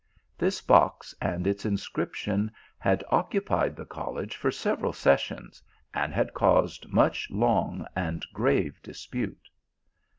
This box and its 218 THE ALHAMBRA. inscription had occupied the college for several ses sions, and had caused much long and grave dispute.